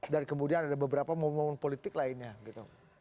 dan kemudian ada beberapa momen momen politik lainnya gitu